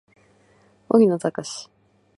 荻野貴司